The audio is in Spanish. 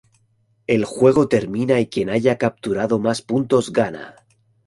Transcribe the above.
El juego termina y quien haya capturado mas puntos gana.